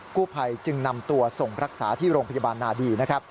กู้ไพรจึงนำตัวส่งรักษาที่โรงพยาบาลนาดี